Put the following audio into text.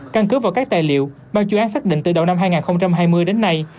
căn cứ vào các tài liệu ban chuyên án xác định từ đầu năm hai nghìn hai mươi đến nay